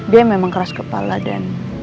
dia memang keras kepala dan